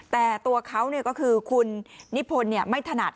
แต่ตัวเขาก็คือคุณนิพนธ์ไม่ถนัด